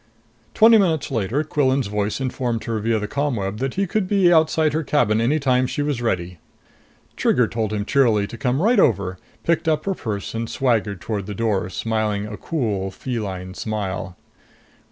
Twenty minutes later, Quillan's voice informed her via the ComWeb that he could be outside her cabin any time she was ready. Trigger told him cheerily to come right over, picked up her purse and swaggered toward the door, smiling a cool, feline smile.